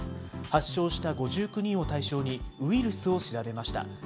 発症した５９人を対象にウイルスを調べました。